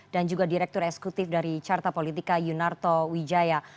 dan juga direktur eksekutif dari carta politika yunarto wijaya